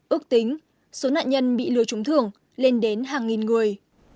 ước tính số nạn nhân bị lừa trúng thường lên đến hàng nghìn người